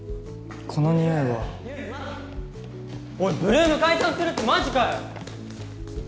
このにおいはおい８ＬＯＯＭ解散するってマジかよ！？